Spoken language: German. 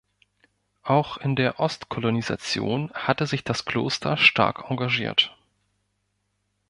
Auch in der Ostkolonisation hatte sich das Kloster stark engagiert.